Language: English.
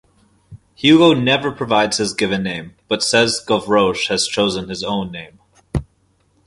Hugo never provides his given name but says Gavroche has chosen his own name.